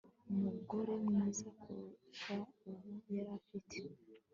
mugore mwiza kurusha uwo yari afite